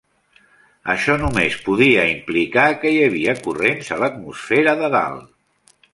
Això només podia implicar que hi havia corrents a l'atmosfera de dalt.